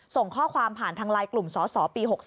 ส่งข้อความผ่านทางไลน์กลุ่มสสปี๖๒